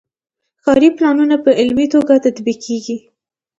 ښاري پلانونه په عملي توګه تطبیقیږي.